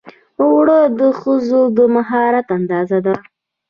اوړه د ښځو د مهارت اندازه ده